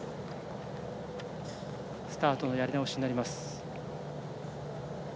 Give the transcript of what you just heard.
スタートのやり直しになります。